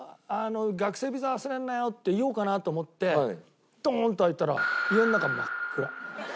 「学生ビザ忘れんなよ」って言おうかなと思ってドーンと入ったら家の中真っ暗。